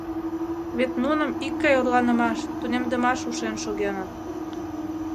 Вет нуным икгай орланымаш, тунемдымаш ушен шогеныт.